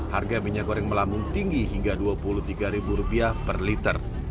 harga minyak goreng melambung tinggi hingga dua puluh tiga ribu rupiah per liter